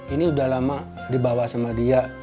ini udah lama dibawa sama dia